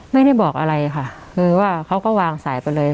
ไม่ได้บอกอะไรค่ะคือว่าเขาก็วางสายไปเลย